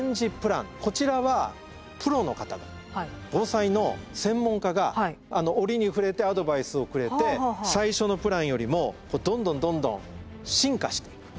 こちらはプロの方が防災の専門家が折に触れてアドバイスをくれて最初のプランよりもどんどんどんどん進化していく。